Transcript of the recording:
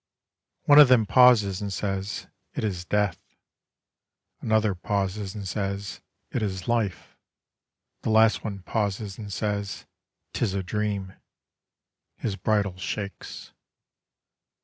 One of them pauses and says, "It is death." Another pauses and says, "It is life." The last one pauses and says, "'Tis a dream." His bridle shakes.